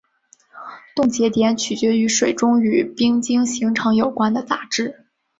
冻结点取决于水中与冰晶形成有关的杂质。